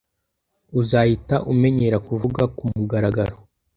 Uzahita umenyera kuvuga kumugaragaro.